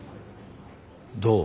どう？